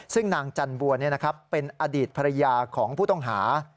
ซึ่งนางจันบัวเป็นอดีตภรรยาของผู้ต้องหา